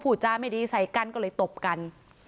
จาไม่ดีใส่กันก็เลยตบกัน